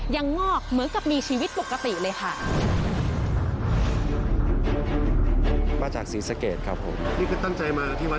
งอกเหมือนกับมีชีวิตปกติเลยค่ะ